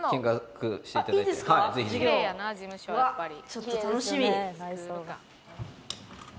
ちょっと楽しみ！